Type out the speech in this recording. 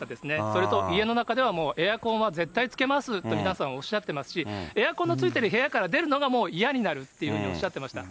それと、家の中ではエアコンは絶対つけますって皆さん、おっしゃってますし、エアコンのついてる部屋から出るのがもう、嫌になるっていうふうにおっしゃっていました。